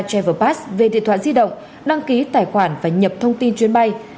iata travel pass về điện thoại di động đăng ký tài khoản và nhập thông tin chuyến bay